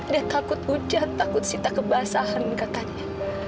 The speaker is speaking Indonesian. dia takut hujan takut sita kebasahan kakaknya